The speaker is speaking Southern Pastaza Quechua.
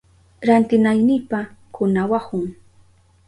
Rantinaynipa kunawahun.